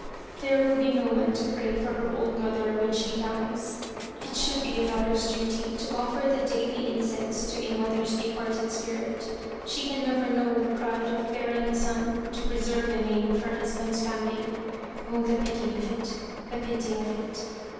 There will be no one to pray for her old mother when she dies it should be a daughter's duty to offer the daily incense to a mother's departed spirit ; she can never know the pride of bearing a son to preserve the name of her husband's family. Oh ! the pity of it the pity of it